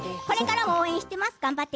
これからも応援しています。